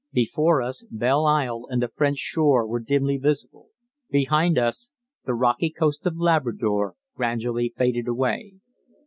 Before us Belle Isle and the French shore were dimly visible. Behind us the rocky coast of Labrador gradually faded away.